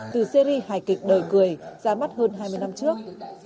từ syri hài kịch đời cười ra mắt hơn hai mươi năm trước